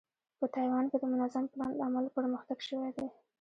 په تایوان کې د منظم پلان له امله پرمختګ شوی دی.